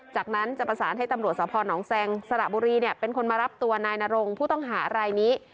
จากนั้นจะประสานให้ตำรวจสภหนองแซงสระบุรีเป็นคนมารับตัวนายนรงผู้ต้องหารายนี้